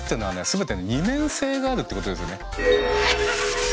全て二面性があるってことですよね。